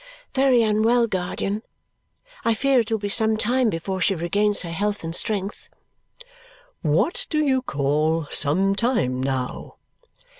"Very unwell, guardian. I fear it will be some time before she regains her health and strength." "What do you call some time, now?"